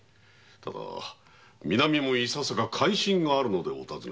ただ南もいささか関心があるのでお尋ねするのだ。